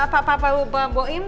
pak pa pa u ba boim